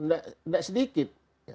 itu kan tidak sedikit